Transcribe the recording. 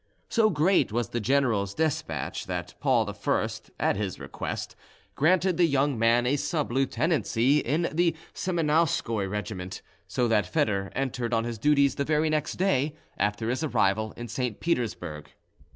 So great was the general's despatch, that Paul I, at his request, granted the young man a sub lieutenancy in the Semonowskoi regiment, so that Foedor entered on his duties the very next day after his arrival in St. Petersburg.